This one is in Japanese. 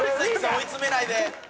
追い詰めないで。